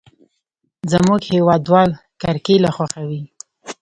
زموږ هېوادوال کرکېله خوښوي.